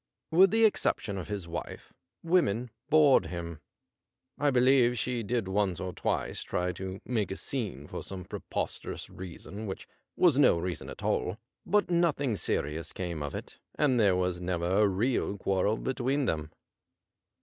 With the exception of his wife, women bored him. I believe she did once or twice try to make a scene for some preposterous reason which was no reason at all ; but nothing serious 85 CASE OF VINCENT PYRWHIT came of it^ and there was never a real quarrel between them.